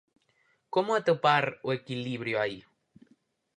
Como atopar o equilibrio aí?